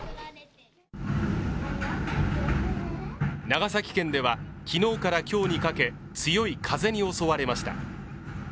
長崎県では昨日から今日にかけ強い風に襲われました。